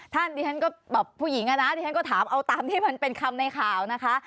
ดิฉันก็แบบผู้หญิงอะนะดิฉันก็ถามเอาตามที่มันเป็นคำในข่าวนะคะ